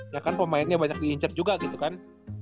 ya kan pemainnya banyak diincar juga gitu kan